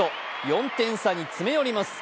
４点差に詰め寄ります。